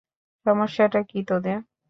সমস্যাটা কী তোদের?